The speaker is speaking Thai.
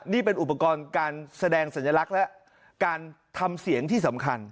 นี่เป็นอุปกรณ์การแสดงสัญลักษณ์และการทำเสียงที่สำคัญ